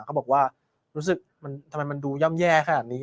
เขาบอกว่ารู้สึกทำไมมันดูย่ำแย่ขนาดนี้